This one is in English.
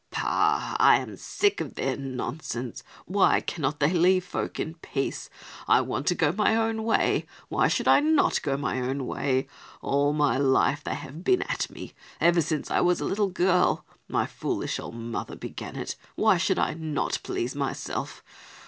"Pah! I am sick of their nonsense. Why cannot they leave folk in peace? I want to go my own way; why should I not go my own way? All my life they have been at me, ever since I was a little girl. My foolish old mother began it. Why should I not please myself?